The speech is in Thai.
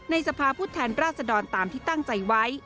สภาพผู้แทนราชดรตามที่ตั้งใจไว้